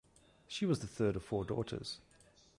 She was the third of four daughters.